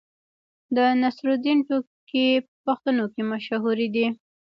د نصرالدین ټوکې په پښتنو کې مشهورې دي.